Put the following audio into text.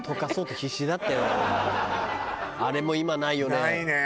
あれも今ないよね。